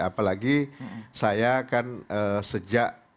apalagi saya kan sejak